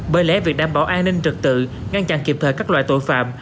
bởi lẽ việc đảm bảo an ninh trật tự ngăn chặn kịp thời các loại tội phạm